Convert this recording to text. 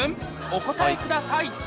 お答えください